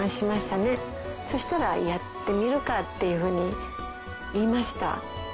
そしたら「やってみるか」っていうふうに言いました。